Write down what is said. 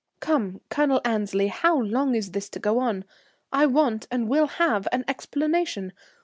"Come, Colonel Annesley, how long is this to go on? I want and will have an explanation.